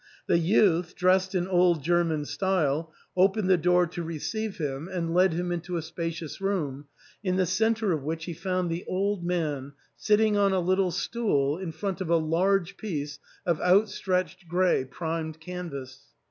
The youth, dressed in old German style, opened the door to receive him and 340 ARTHUR'S HALL. led him into a spacious room, in the centre of which he found the old man sitting on a little stool in front of a large piece of outstretched grey primed canvas.